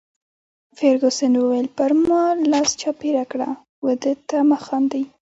فرګوسن وویل: پر ما لاس چاپیره کړه، وه ده ته مه خاندي.